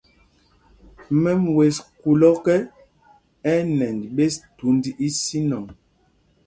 Mɛm wes kūl ɔ́kɛ, ɛ́ ɛ́ nɛnj ɓes thūnd ísínɔŋ.